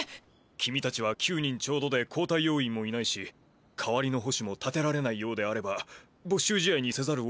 君たちは９人ちょうどで交代要員もいないし代わりの捕手も立てられないようであれば没収試合にせざるをえなくなるがいいかね？